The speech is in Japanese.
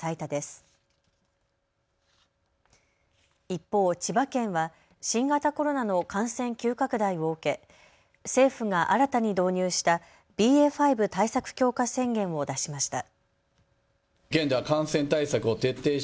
一方、千葉県は新型コロナの感染急拡大を受け政府が新たに導入したＢＡ．５対策強化宣言を出しました。